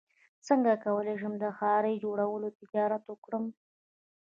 څنګه کولی شم د ښارۍ جوړولو تجارت وکړم